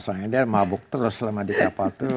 soalnya dia mabuk terus selama di kapal itu